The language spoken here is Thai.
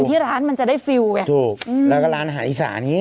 ที่ร้านมันจะได้ฟิลลไงถูกแล้วก็ร้านอาหารอีสานี